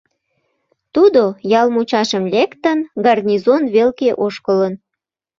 Тудо, ял мучашым лектын, гарнизон велке ошкылын.